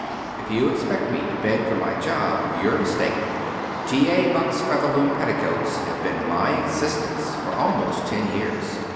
"If you expect me to beg you for my job, you're mistaken. T. A. Buck's Featherloom Petticoats have been my existence for almost ten years.